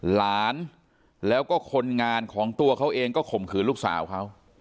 หลานแล้วก็คนงานของตัวเขาเองก็ข่มขืนลูกสาวเขา